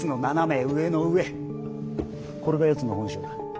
これがやつの本性だ。